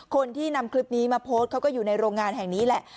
คนที่นำคลิปนี้มาโพสต์เขาก็อยู่ในโรงงานแห่งนี้แหละ